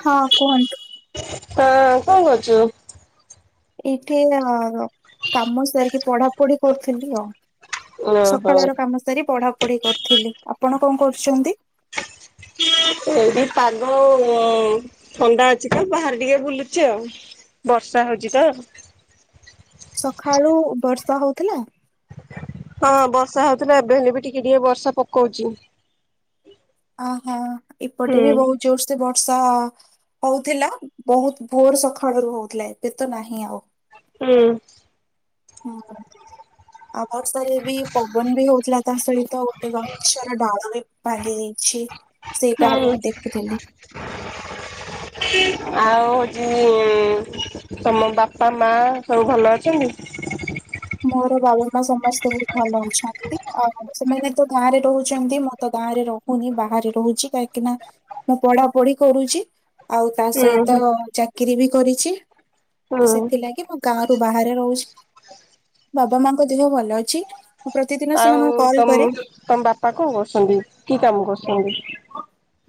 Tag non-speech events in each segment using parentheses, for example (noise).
ହଁ କୁହନ୍ତୁ। ଅଁକଁ କରୁଛୁ? ଏଇଠି କାମ ସାରିକି ପଢାପଢି କରୁଥିଲି ଆଉ। ଓହୋ ସକାଳ ର କାମ ସାରି ପଢା ପଢି କରିଥିଲି ଆପଣ କଣ କରୁଛନ୍ତି? (inaudible) ଏଇଠି ପାଗ ଥଣ୍ଡା ଅଛି ତ ବାହାରେ ଟିକେ ବୁଲୁଚ ଆଉ। ବର୍ଷା ହଉଛି ତ? ସକାଳୁ ବର୍ଷା ହଉଥିଲା। ହଁ ବର୍ଷା ହଉଥିଲା ଏବେ ହେଲେ ବି ଟିକେ ଟିକେ ବର୍ଷା ପକଉଛି। ଅହୋ ହୁଁ। ଏପଟେ ବି ବହୁତ ଜୋର ସେ ବର୍ଷା ହଉଥିଲା ବହୁତ ଭୋର ସକାଳୁ ହଉଥିଲା ଏବେ ତ ନାହିଁ ଆଉ। ହୁଁ ହୁଁ ଆ ବର୍ଷାରେ ବି ପବନ ବି ହଉଥିଲା ତା ସହିତ ଗୋଟେ ଗଛ ଡାଳ ବି ଭାଙ୍ଗି ଯାଇଛି ହୁଁ ସେଇଟା ଆ ମୁ ଦେଖୁଥିଲି। (unintelligible) ଆଉ ହଉଛି ଉମ୍ ତମ ବାପା ମା ସବୁ ଭଲ ଅଛନ୍ତି? ମୋର ବାବା ମା ସମସ୍ତେ ବହୁତ ଭଲ ଅଛନ୍ତି ଆଉ ସେମାନେ ତ ଗାଁରେ ରହୁଛନ୍ତି ମୁଁ ତ ଗାଁରେ ରହୁ ନି ବାହାରେ ରହୁଛି କାହିଁକି ନା ମୁଁ ପଢା ପଢି କରୁଛି। ଆଉ ତା ହୁଁ ସହିତ ହୁଁ। ଚାକିରୀ ବି କରିଛି ତ ହୁଁ ସେଥିଲାଗି ମୁଁ ଗାଁ ରୁ ବାହାରେ ରହୁଛି। ବାବା ମାଙ୍କ ଦେହ ଭଲ ଅଛି ମୁଁ ପ୍ରତିଦିନ ଆଉ ସେମାନଙ୍କୁ କଲ୍ ତମ କରେ। ତମ ବାପା କଣ କରୁଛନ୍ତି କି କାମ କରୁଛନ୍ତି?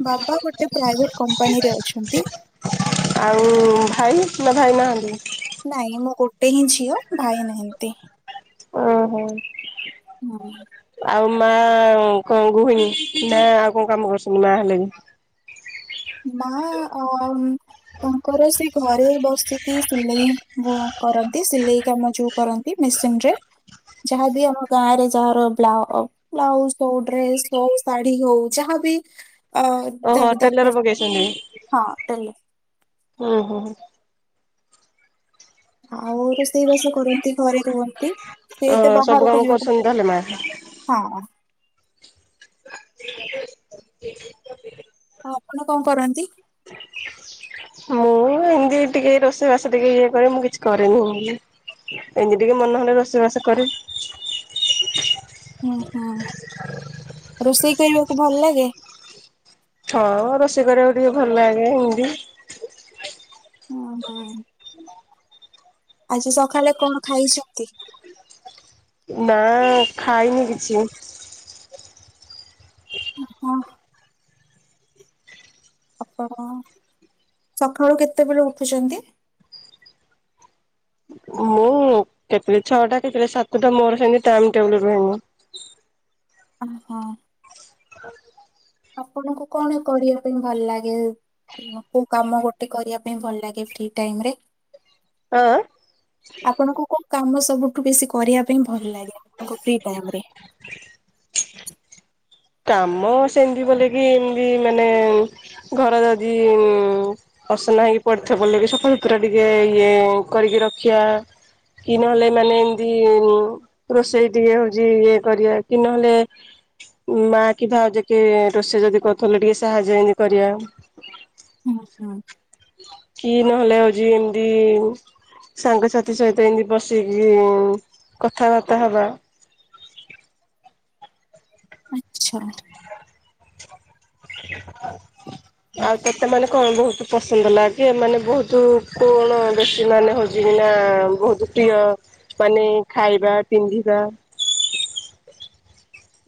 ବାବା ଗୋଟେ ପ୍ରାଇଭେଟ କମ୍ପାନୀରେ ଅଛନ୍ତି। ଆଉ ଭାଇ ନା ଭାଇ ନାହାନ୍ତି? ନାଇଁ ମୁଁ ଗୋଟେ ହିଁ ଝିଅ ଭାଇ ନାହାନ୍ତି। ଓ ହୋ। ହଁ ଆଉ ମା କଣ ଗୁହିଣୀ ନା ଆଉ କଣ କାମ କରୁଛନ୍ତି ମା ହେଲେ ବି? ମାଆ ଆ ଅମ୍ ତାଙ୍କର ସେ ଘରେ ବସିକି ସିଲେଇ କରନ୍ତି ସିଲେଇ କାମ ଯୋଉ କରନ୍ତି ମେସିନ ରେ ଯାହାଦେଇ ଆମ ଗାଁ ରେ ଯାହାର ବ୍ଲା ବ୍ଳାଉଜ ହଉ ଡ୍ରେସ୍ ହଉ ଶାଢ଼ୀ ହଉ ଯାହାବି ଅ ଦରକାର। ସୁନି। ହଟେଲ ହଁ ହଁ ଆଉ ରୋଷେଇ ବାସ କରନ୍ତି ଘରେ ରୁହନ୍ତି। ସେ ଓ ଏତେ ସବୁ ବାହାରକୁ କାମ ଯିବାକୁ କରୁଛନ୍ତି ତାହେଲେ ମା? ହଁ ହଁ ଆପଣ କଣ କରନ୍ତି? ମୁଁ ଏମିତି ଟିକେ ରୋଷେଇବାସ ଟିକେ ଇଏ କରେ ମୁଁ କିଛି କରେନି। ଏମିତି ଟିକେ ମନେ ହଲେ ରୋଷେଇବାସ କରେ। ଓୁ ହଁ ରୋଷେଇ କରିବାକୁ ଭଲ ଲାଗେ? ହଁ ରୋଷେଇ କରିବାକୁ ଟିକେ ଭଲ ଲାଗେ ହିନ୍ଦୀ ଓଁ ହଁ ଆଜି ସକାଳେ କଣ ଖାଇଛନ୍ତି? ନା ଖାଇନି କିଛି। ହଁ ଆପଣ ସକାଳୁ କେତେବେଳେ ଉଠୁଛନ୍ତି? ମୁଁ କେତବେଳେ ଛଅଟା କେତେଳେ ସାତଟା ମୋର ସେମିତି ଟାଇମ ଟେବୁଲ ରୁହେନି। ହଁ। ଆରେ ଆପଣଙ୍କୁ କଣ କରିବା ପାଇଁ ଭଲ ଲାଗେ? କୋଉଁ କୋଉଁ କାମ ଗୋଟେ କରିବା ପାଇଁ ଭଲ ଲାଗେ ଫ୍ରି ଟାଇମରେ? ଆଁ। ଆପଣଙ୍କୁ କୋଉଁ କାମ ସବୁଠୁଁ ବେଶୀ କରିବା ପାଇଁ ଭଲ ଲାଗେ ଆପଣଙ୍କ ଫ୍ରି ଟାଇମରେ? କାମ ସେମିତି ବୋଲି କି ଇଁ ମଁ ଏମିତି ମାନେ ଘର ଯଦି ମଁ ଅସନା ହେଇକି ପଡିଥିବ ବୋଲିକି ସଫାସୁତୁରା ଟିକେ ଇଏ କରିକି ରଖିବା। କି ନହେଲେ ମାନେ ଏମିତି ରୋଷେଇ ଟିକେ ହଉଛି ଇଏ କରିବା କି ନହେଲେ? ମା କି ଭାଉଜ କିଏ ରୋଷେଇ ଯଦି କରୁଥିଲେ ଟିକେ ସାହାଯ୍ୟ ଏମିତି କରିବା। ଉଁହୁଁ ହଁ। କି ନହେଲେ ହଉଛି ଏମିତି? ସାଙ୍ଗସାଥି ସହିତ ଏମିତି ବସିକି କଥାବାର୍ତ୍ତା ହେବା। ଆଚ୍ଛା। ଆଉ ତେତେ ମାନେ କଣ ବହୁତ? ପସନ୍ଦ ଲାଗେ ମାନେ ବହୁତ କଣ ବେଶୀ ମାନେ ହଉଛି କିି ନାଁ ବହୁତ ପ୍ରିୟ ମାନେ ଖାଇବା ପିନ୍ଧିବା।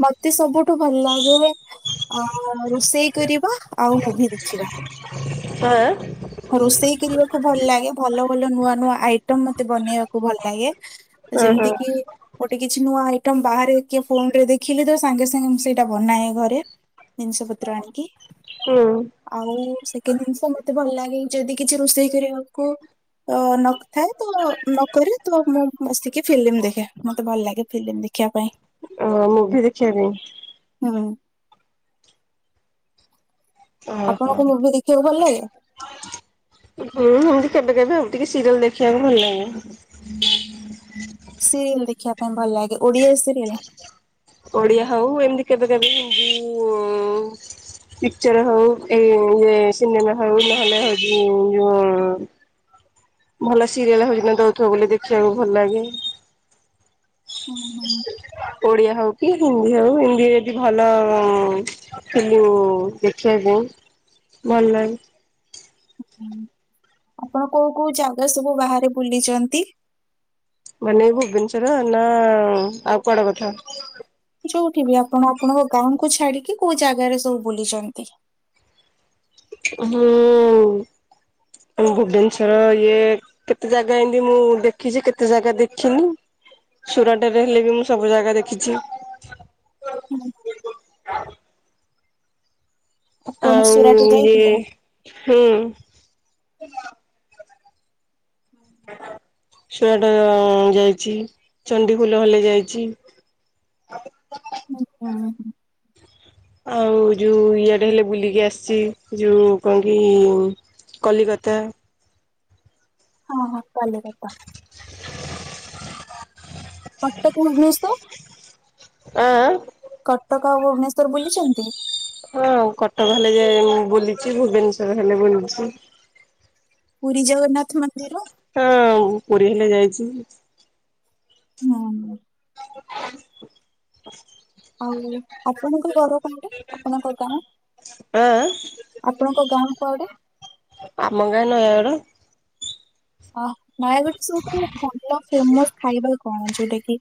ମୋତେ ସବୁଠୁ ଭଲ ଲାଗେ ଆଁ ରୋଷେଇ କରିବା ଆଉ ମୁଭି ଦେଖିବା। ହାଁ ଆଁ। ରୋଷେଇ କରିବାକୁ ଭଲ ଲାଗେ ଭଲ ଭଲ ନୂଆ ନୂଆ ଆଇ ଟମ୍ ମୋତେ ବନେଇବାକୁ ଭଲ ଲାଗେ ଓ ହୋ ଯେମିତି କି ଗୋଟେ କିଛି ନୂଆ ଆଇଟମ୍ ବାହାରେ କି ଫୋନ ରେ ଦେଖିଲେ ତ ସାଙ୍ଗେ ସାଙ୍ଗେ ମୁଁ ସେଇଟା ବନାଏ ଘରେ। ଜିନିଷ ପତ୍ର ଆଣିକି। ହୁଁ। ଆଉ ସେକେଣ୍ଡ ଜିନିଷ ମୋତେ ଭଲ ଲାଗେ ଯଦି କିଛି ରୋଷେଇ କରିବାକୁ ତ ନଥାଏ ତ ନକରେ ତ ମୁଁ ବସିକି ଫିଲ୍ମ ଦେଖେ। ମୋତେ ଭଲ ଲାଗେ ଫିଲ୍ମ ଦେଖିବା ପାଇଁ ମୁଭି ଦେଖିବା ପାଇଁ। ହୁଁ। ଓ ହୋ। ଆପଣଙ୍କୁ ମୁଭି ଦେଖିବାକୁ ଭଲ ଲାଗେ? ହୁଁ ହୁଁ କେବେ କେବେ ଆଉ ଟିକେ ସିରିଏଲ ଦେଖିବାକୁ ଭଲ ଲାଗେ। ସିରିଏଲ ଦେଖିବା ପାଇଁ ଭଲ ଲାଗେ ଓଡିଆ ସିରିଏଲ? ଓଡ଼ିଆ ହଉ ଏମିତି କେବେ କେବେ ହିନ୍ଦୀ ଉଁମ୍ ପିକ୍ଚର ହଉ ଏଁ ଇଏ ସିନେମା ହଉ ନହେଲେ ହଉଛି ଯୋଉଁ ଭଲ ସିରିଏଲ ହରିକା ଦଉଥୁବ ବୋଲି ଦେଖିବାକୁ ଭଲ ଲାଗେ। ଉଁ ହୁଁ। ଓଡିଆ ହଉ କି ହିନ୍ଦୀ ହଉ ହିନ୍ଦୀ ଯଦି ଭଲ ଉଁ ସବୁ ଦେଖିବା ପାଇଁ ଭଲ ଲାଗେ। ହୁଁ। ଆପଣ କୋଉଁ କୋଉଁ ଜାଗା ସବୁ ବାହାରେ ବୁଲିଛନ୍ତି? ମାନେ ଭୁବନେଶ୍ଵର ନାଁ ଆଉ କୁଆଡେ କଥା? ଯୋଉଁଠି ବି ଆପଣ ଆପଣଙ୍କ ଗାଁ କୁ ଛାଡିକି କୋଉଁ ଜାଗାରେ ସବୁ ବୁଲିଛନ୍ତି? ହୁଁ ଭୁବନେଶ୍ୱର ଇଏ କେତେ ଜାଗା ଏମିତି ମୁଁ ଦେଖିଛି। କେତେ ଜାଗା ଦେଖିନି। ସୁରାଟରେ ହେଲେ ବି ମୁଁ ସବୁ ଜାଗା ଦେଖିଛି। ହୁଁ। ଆପଣ ସୁରାଟ ଆଉଁ ଇଏ ଯାଇଥିଲେ? ହୁଁ। ସୁରାଟ ଯାଇଛି ଚଣ୍ଡିୀଖୋଲ ହେଲେ ଯାଇଛି। ଓ ହୋ। ଆଉ ଯୋଉଁ ଇଏଡେ ହେଲେ ବୁଲିକି ଆସିଛି ଯୋଉଁ କଣ କି? କଲିକତା ହଁ ହଁ କଲିକତା। କଟକ, ଭୁବନେଶ୍ୱର ହାଁ ଆଁ? କଟକ ଆଉ ଭୁବନେଶ୍ଵର ବୁଲିଛନ୍ତି? ହଁ କଟକ ହେଲେ ଯେ ମୁଁ ବୁଲିଛି ଭୁବନେଶ୍ଵର ହେଲେ ବୁଲିଛି। ପୁରୀ ଜଗନ୍ନାଥ ମନ୍ଦିର? ହଁ ପୁରୀ ହେରା ଯାଇଛି। ହୁଁ। (inaudible) ଆଉ ଆପଣଙ୍କ ଘର କୋଉଠି, ଆପଣଙ୍କ ଗାଁ? ଆଁ ଆଁ? ଆପଣଙ୍କ ଗାଁ କୁଆଡ଼େ? ଆମ ଗାଁ ନୟାଗଡ଼। ହଁ ନୟାଗଡ଼ ସବୁଠୁ ଭଲ ଫେମସ୍ ଖାଇବା କଣ? ଯୋଉଟା କି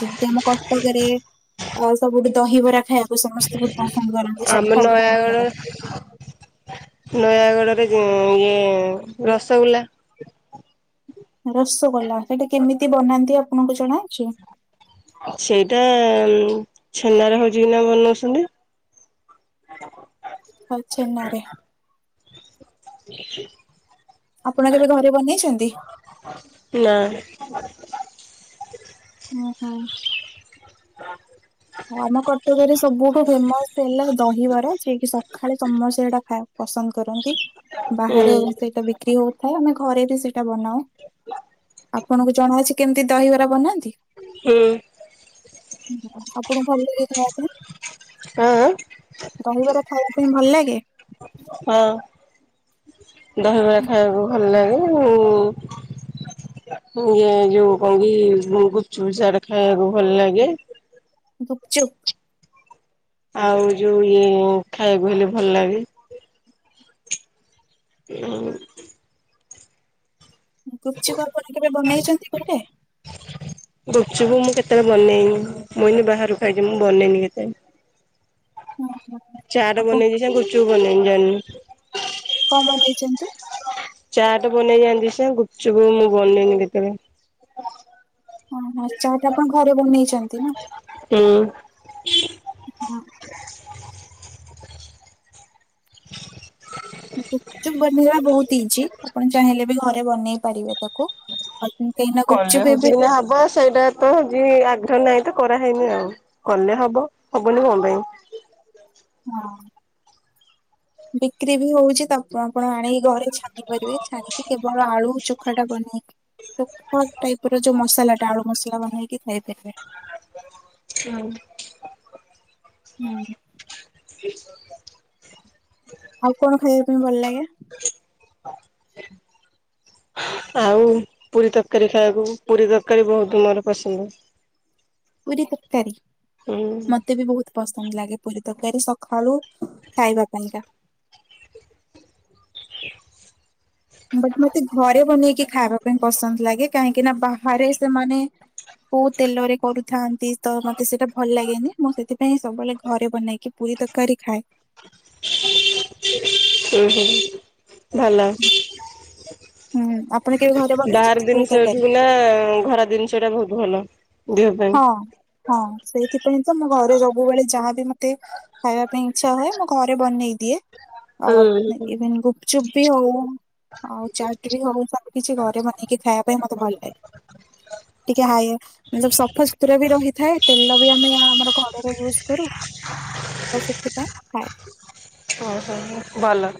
ଯେମିତି ଆମ କଟକରେ ଅ ସବୁଠେ ଦହିବରା ଖାଇବା ଫ୍ୟା ତାକୁ ସମସ୍ତେ ବହୁତ ପସନ୍ଦ କରନ୍ତି ଆମ ସକାଳୁ ଦହି ନୟାଗଡ ବରା ନୟାଗଡରେ ଉନ୍ ଇଏ ରସଗୋଲା। ରସଗୋଲା ସେଇଟା କେମିତି ବନାନ୍ତି ଆପଣଙ୍କୁ ଜଣାଅଛି? ସେଇଟା ଛେନାରେ ହଉଛି କିନା ବନଉଛନ୍ତି। ହଉ ଛେନାରେ (inaudible) ଆପଣ କେବେ ଘରେ ବନେଇଛନ୍ତି? ନା ହୁଁ ହୁଁ। (unintelligible) ହଁ ଆମ କଟକରେ ସବୁଠୁ ଫେମସ୍ ହେଲା ଦହିବରା ଯେକି ସକାଳେ ସମସ୍ତେ ହେଟା ଖା ପସନ୍ଦ କରନ୍ତି, ହୁଁ ବାହାରେ ସେଇଟା ବିକ୍ରି ହଉ ଥାଏ ଆମେ ଘରେ ବି ସେଇଟା ବନାଉ, ଆପଣଙ୍କୁ ଜଣାଅଛି କେମିତି ଦହିବରା ବନାନ୍ତି? ହୁଁ। ହୁଁ ଆପଣଙ୍କୁ ଭଲ ଲାଗେ ଖାଇବା ପାଇଁ? ଆ ଆ ଦହିବାର ଖାଇବା ପାଇଁ ଭଲ ଲାଗେ? ହଁ, ଦହିବରା ଖାଇବାକୁ ଭଲ ଲାଗେ ଉଁ ହୁଁ ଇଏ ଯୋଉ କଣଙକି ଗୁପୁଚୁପ୍ ଚାଟ୍ ଖାଇବାକୁ ଭଲ ଲାଗେ। ଗୁପଚୁପ୍ ଆଉ ଯୋଉ ଇଏ ଖାଇବାକୁ ହେଲେ ଭଲ ଲାଗେ (inaudible) ଗୁପଚୁପ୍ ଆପଣ କେବେ ବନେଇଛନ୍ତି ଘରେ? ଗୁପଚୁପୁ ମୁଁ କେତେବେଳେ ବନେଇନି ମୁଁଏଇ ବାହାରୁ ଖାଇଦିଏ ମୁଁ ବନେଇନି କେତେବେଳେ। ହଁ ହଁ। ଚାଟ୍ ଆପଣ ବନେଇଛି ଗୁପୁଚୁପ୍ ବନେଇନି ଯାନିନି। କଣ ବନେଇଛନ୍ତି? ଚାଟ୍ ବନେଇ ଜାନିଛି ଯେ ଗୁପୁଚୁପୁ ମୁଁ ବନେଇନି କେତେବେଳେ। ଓହୋ ଚାଟ୍ ଆପଣ ଘରେ ବନେଇଛନ୍ତି ନା? ହୁଁ। (unintelligible) ବହୁତ ହେଇଛି। ପୁଣି ଚାହିଁଲେ ବି ଘରେ ବନେଇ ପାରିବେ ତାକୁ। (unintelligible) କଲେ ହଉଛି ଏବେ ବିନ୍ଧା ହବ ସେଇଟା ତହଁଜି ଆଗ୍ରହ ନାହିଁ ତ କରାହେଇନି ଆଉ, କଲେ ହବ ହବନି କଣ ପାଇଁ? ହଁ। ହ ବିକ୍ରି ବି ହଉଛି ତ ଆପଣ ଆପଣ ଆଣିକି ଘରେ ଛାଣି ପାରିବେ, ଛାଣିକି କେବଳ ଆଳୁ ଚୋଖା ଟା ବନେଇକି (unintelligible) ଟାଇପ ର ଯୋଉ ମସଲା ଟା ଆଳୁ ମସଲା ବନେଇକି ଖାଇ ପାରିବେ। (unintelligible) ହୁଁ (inaudible) ଆଉ କଣ ଖାଇବା ପାଇଁ ଭଲ ଲାଗେ? ଆଉ ପୁରୀ ତରକାରୀ ଖାଇବାକୁ, ପୁରୀ ତରକାରୀ ବହୁତ ମୋର ପସନ୍ଦ। ପୁରୀ ତରକାରୀ, ହୁଁ ମତେ ବି ବହୁତ ପସନ୍ଦ ଲାଗେ ପୁରୀ ତରକାରୀ, ସକାଳୁ ଖାଇବା ପାଇଁକା। ବଟ୍ ମତେ ଘରେ ବନେଇକି ଖାଇବା ପାଇଁ ପସନ୍ଦ ଲାଗେ କାହିଁକି ନା ବାହାରେ ସେମାନେ କୋଉ ତେଲ ରେ କରୁଥାନ୍ ତି ତ ମତେ ସେଇଟା ଭଲ ଲାଗେନି, ମୁଁ ସେଥିପାଇଁ ସବୁବେଳେ ଘରେ ବନେଇକି ପୁରୀ ତରକାରୀ ଖାଏ। (inaudible) ଭଲ। ହୁଁ ଆପଣ କେବେ ଘରେ ବାହାର ବନେଇଛନ୍ତି ପୁରୀ ଜିନିଷ ତରକାରୀ? ଏଠି ଥିଲା, ଘରା ଜିନିଷ ଟା ବହୁତ ଭଲ। ଦେହ ପାଇଁ। ହଁ, ହଁ ସେଇଥିପାଇଁ ତ ମୁଁ ଘରେ ସବୁବେଳେ ଯାହାବି ମତେ ଖାଇବା ପାଇଁ ଇଚ୍ଛା ହୁଏ, ମୁଁ ଘରେ ବନେଇ ଦିଏ ଆଉ ହୁଁ। ଇଭିନ୍ ଗୁପଚୁପ୍ ବି ହଉ। ଆଉ ଚାଟ ବି ହଉ ସବୁ କିଛି ଘରେ ବନେଇକି ଖାଇବା ପାଇଁ ମତେ ଭଲ ଲାଗେ। ଟିକେ ହାଏ ମାନେ ସ ସବ୍ ଫସ୍ତୁର ବି ରହିଥାଏ, ତେଲ ବି ଆମେ ଆମର ଘରର ୟୁଜ କରୁ। ତ ସେଥିପାଇଁ ଖାଏ। ଓହୋ, ହୋ ଭଲ।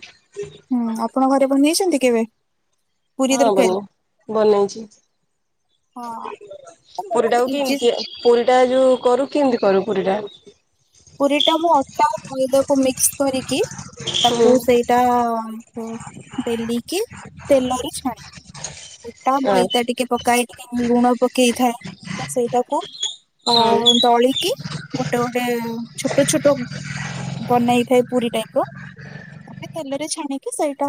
ହୁଁ ଆପଣ ଘରେ ପନେଇଛନ୍ତି କେବେ? ପୁରୀ ହଁ ତରକାରୀ ବନେଇ, ବନେଇଛି। ହଁ ତ ବହୁତ ପୁରୀଟାକୁ ଇଜି କେମିତି ପୁରୀ ଟା ଯୋଉ କରୁ କେମିତି କରୁ ପୁରୀଟା? ପୁରୀ ଟା ମୁଁ ଅଟା ଆଉ ମଇଦାକୁ ମିକ୍ସ କରିକି ହୁଁ। ତାକୁ ସେଇ ଟା ବେଲିକି ତେଲରେ ଛାଣେ। ଗୋଟା ଆ ମଇଦା ଟିକେ ପକାଇ ଟିକେ ଲୁଣ ପକେଇଥାଏ, ସେଇଟାକୁ ଅ ଦଳିକି ଗୋଟେ ଗୋଟେ, ଛୋଟ ଛୋଟ, ବନେଇ ଥାଏ ପୁରୀ ଟାଇପର। ଆମେ ତେଲରେ ଛାଣିକି ସେଇଟା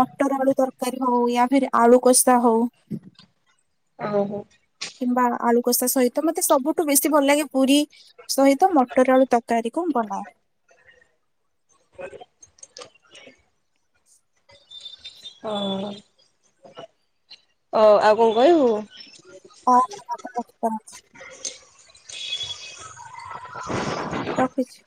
ମଟର ଆଳୁ ତରକାରୀ ହଉ ୟା ଫିର ଆଳୁ କୋଷା ହଉ। ହଁ ହଁ। କିମ୍ବା ଆଳୁ କଷା ସହିତ ମତେ ସବୁଠୁ ବେଶୀ ଭଲ ଲାଗେ ପୁରୀ ସହିତ ମଟର ଆଳୁ ତରକାରୀ କୁ ମୁଁ ବନାଏ। ହ ଓଃ, ଓ ଆଉ କଣ କହିବୁ? (inaudible) (inaudible) ରଖୁଛି।